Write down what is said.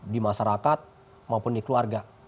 di masyarakat maupun di keluarga